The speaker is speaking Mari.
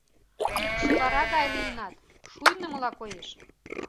Кукшывара гай лийынат, шуйнымыла коеш.